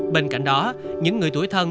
bên cạnh đó những người tuổi thân